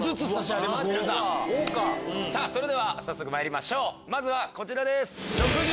それでは早速まいりましょうまずはこちらです。